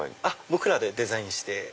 僕らでデザインして。